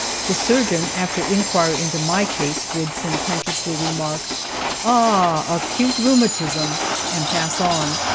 The surgeon, after inquiry into my case, would sententiously remark, "Ah! acute rheumatism," and pass on.